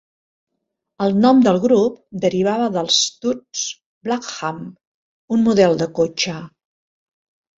El nom del grup derivava del Stutz Blackhawk, un model de cotxe.